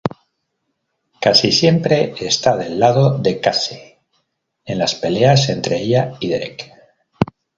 Casi siempre está del lado de Casey en las peleas entre ella y Derek.